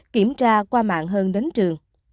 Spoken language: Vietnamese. kiểm tra qua mạng hơn đến trường